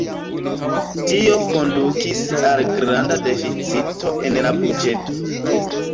Tio kondukis al granda deficito en la buĝeto.